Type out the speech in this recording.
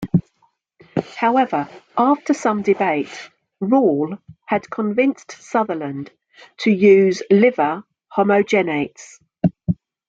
However, after some debate, Rall had convinced Sutherland to use liver homogenates.